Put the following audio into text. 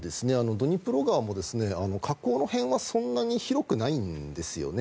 ドニプロ川も河口の辺はそんなに広くないんですよね。